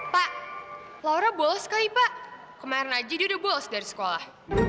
pak laura bos kali pak kemarin aja dia udah bols dari sekolah